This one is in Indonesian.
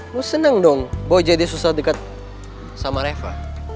lo seneng dong boy jadi susah deket sama reva